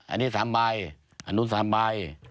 อันนี้๓ใบอันนู้น๓ใบ